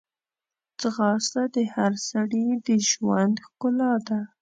ځغاسته د هر سړي د ژوند ښکلا ده